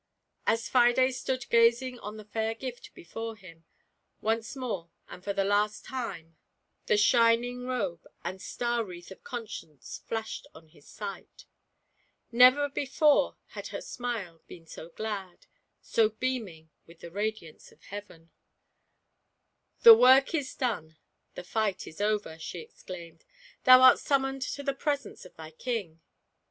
Aa Fides stood gazing on the fair gift before him, once more, and for the last time, the shining robe and star wreath of Conscience flashed on his sight Never before had her smile been so glad, so beaming with the radiance of Heaven. 11 162 GIANT PRIDE. "The work is done — the fight is over!" she ex claimed; thou art summoned to the presence of thy King!